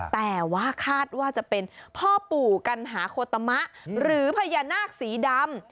แต่ว่าคาดว่าจะเป็นพ่อปู่กัณหาโคตมะหรือพญานาคสีดำ